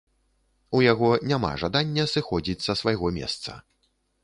У яго няма жадання сыходзіць са свайго месца.